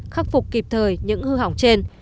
khắc phục kịp thời những hư hỏng trên